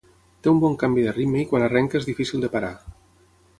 Té un bon canvi de ritme i quan arrenca és difícil de parar.